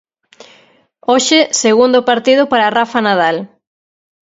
Hoxe segundo partido para Rafa Nadal.